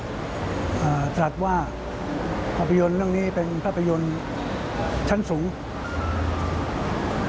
ว่าและพระราชภาพยนตร์นี้เป็นภาพยนตร์ชั้นสูง